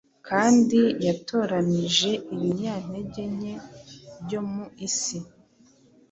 kandi yatoranije ibinyantege nke byo mu isi,